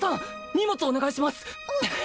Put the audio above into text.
荷物お願いします！